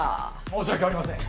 申し訳ありません。